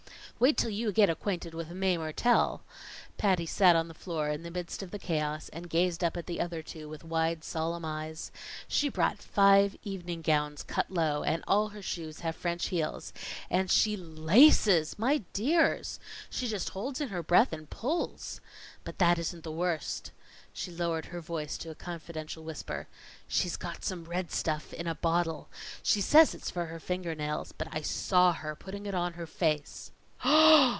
"Wait till you get acquainted with Mae Mertelle!" Patty sat on the floor in the midst of the chaos, and gazed up at the other two with wide, solemn eyes. "She brought five evening gowns cut low, and all her shoes have French heels. And she laces my dears! She just holds in her breath and pulls. But that isn't the worst." She lowered her voice to a confidential whisper. "She's got some red stuff in a bottle. She says it's for her finger nails, but I saw her putting it on her face."